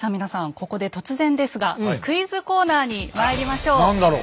ここで突然ですがクイズコーナーにまいりましょう。